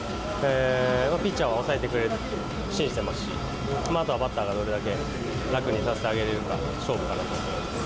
ピッチャーは抑えてくれると信じてますし、あとはバッターがどれだけ楽をさせてあげられるかが、勝負かなと思います。